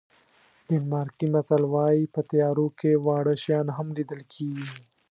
ډنمارکي متل وایي په تیارو کې واړه شیان هم لیدل کېږي.